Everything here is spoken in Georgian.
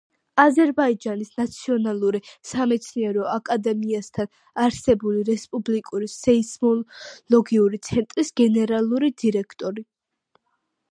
აზერბაიჯანის ნაციონალური სამეცნიერო აკადემიასთან არსებული რესპუბლიკური სეისმოლოგიური ცენტრის გენერალური დირექტორი.